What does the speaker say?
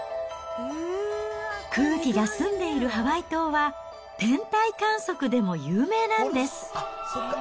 空気が澄んでいるハワイ島は、天体観測でも有名なんです。